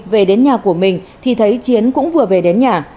về đến nhà của mình thì thấy chiến cũng vừa về đến nhà